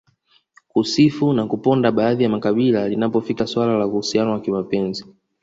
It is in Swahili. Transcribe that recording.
kusifu na kuponda baadhi ya makabila linapofika suala la uhusiano wa kimapenzi